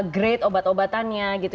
grade obat obatannya gitu